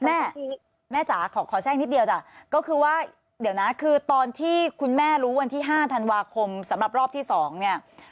แม่แม่จ๋าขอแทรกนิดเดียวจ้ะก็คือว่าเดี๋ยวนะคือตอนที่คุณแม่รู้วันที่๕ธันวาคมสำหรับรอบที่๒เนี่ย